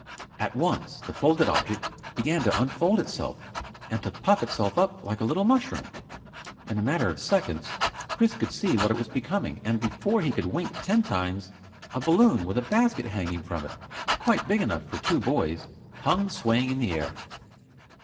At once the folded object began to unfold itself and to puff itself up like a little mushroom. In a matter of seconds, Chris could see what it was becoming, and before he could wink ten times, a balloon with a basket hanging from it, quite big enough for two boys, hung swaying in the air.